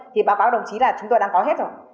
thì báo cáo đồng chí là chúng tôi đang có hết rồi